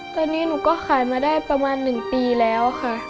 ตอนนี้หนูก็ขายมาได้ประมาณ๑ปีแล้วค่ะ